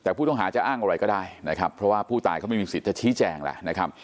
แต่ผู้ต้องหาจะอ้างอะไรก็ได้นะครับเพราะว่าผู้ตายเขาไม่มีสิทธิ์จะชี้แจงแล้วนะครับ